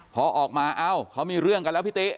พอออกมาเอ้าเขามีเรื่องกันแล้วพี่ติ